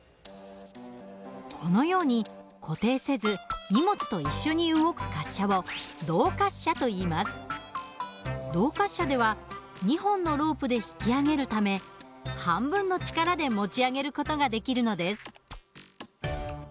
このように固定せず荷物と一緒に動く滑車を動滑車では２本のロープで引き上げるため半分の力で持ち上げる事ができるのです。